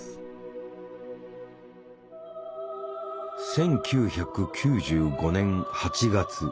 １９９５年８月。